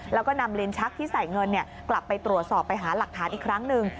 แล้วก็นำลิ้นชักที่ใส่เงินกลับไปตรวจสอบไปหาหลักฐานอีกครั้งหนึ่ง